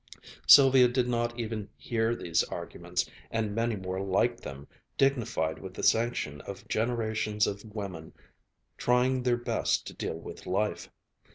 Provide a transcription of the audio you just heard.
Sylvia did not even hear these arguments and many more like them, dignified with the sanction of generations of women trying their best to deal with life.